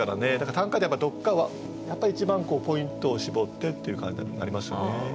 短歌でどっかはやっぱり一番ポイントを絞ってっていう感じにはなりますね。